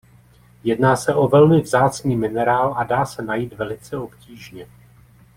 Jedná se o velmi vzácný minerál a dá se najít velice obtížně.